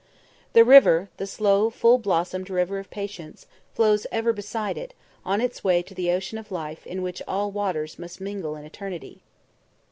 "The river, the slow, full blossomed river of patience, flows ever beside it, on its way to the Ocean of Life in which all waters must mingle in eternity."